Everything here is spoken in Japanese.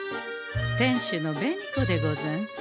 店主の紅子でござんす。